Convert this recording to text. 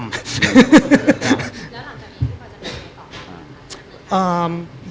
แล้วหลังจากนี้คุณควรจะดูยังไงก่อน